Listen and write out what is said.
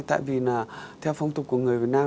tại vì là theo phong tục của người việt nam